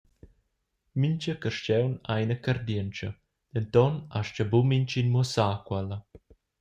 Mintga carstgaun ha ina cardientscha, denton astga buca mintgin mussar quella.